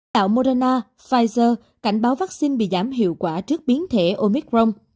tạo morena pfizer cảnh báo vaccine bị giảm hiệu quả trước biến thể omicron